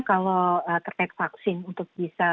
kalau terkait vaksin untuk bisa